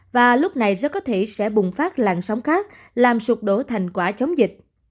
và lúc này rất có thể sẽ bùng phát làn sóng khác làm sụp đổ thành quả chống dịch